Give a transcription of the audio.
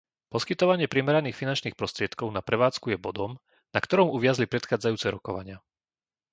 Poskytovanie primeraných finančných prostriedkov na prevádzku je bodom, na ktorom uviazli predchádzajúce rokovania.